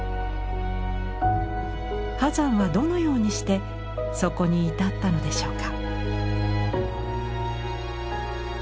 波山はどのようにしてそこに至ったのでしょうか。